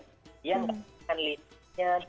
dia tidak mengingatkan listriknya